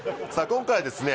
今回ですね